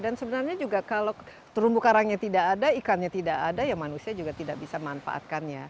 dan sebenarnya juga kalau terumbu garangnya tidak ada ikannya tidak ada ya manusia juga tidak bisa memanfaatkannya